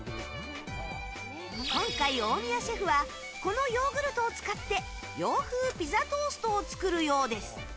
今回、大宮シェフはこのヨーグルトを使って洋風ピザトーストを作るようです。